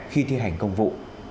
khi thi hành công vụ